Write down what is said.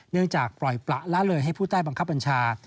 จากปล่อยประละเลยให้ผู้ใต้บังคับบัญชา